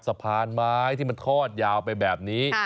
สะพานไม้ที่มันทอดยาวไปแบบนี้